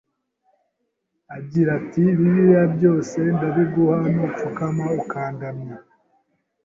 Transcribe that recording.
agira ati: “Biriya byose ndabiguha, nupfukama ukandamya”.